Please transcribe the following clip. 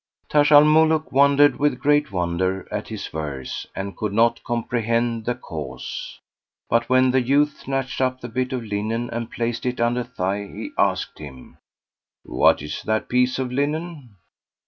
Taj al Muluk wondered with great wonder at his verse, and could not comprehend the cause. But when the youth snatched up the bit of linen and placed it under thigh, he asked him, "What is that piece of linen?"